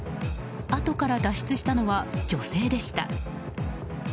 あとから脱出したのは女性でした。